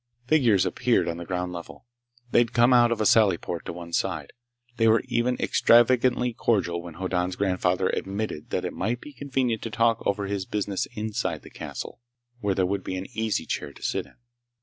Figures appeared on the ground level. They'd come out of a sally port to one side. They were even extravagantly cordial when Hoddan's grandfather admitted that it might be convenient to talk over his business inside the castle, where there would be an easy chair to sit in.